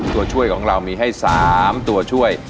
ตัวช่วยของเรามีให้๓ตัวช่วย